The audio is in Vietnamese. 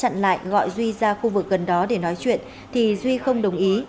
nguyễn thời duy đã chặn lại gọi duy ra khu vực gần đó để nói chuyện thì duy không đồng ý